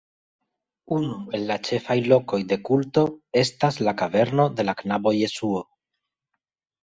Unu el la ĉefaj lokoj de kulto estas la "kaverno de la knabo Jesuo".